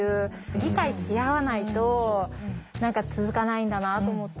理解し合わないと何か続かないんだなと思って。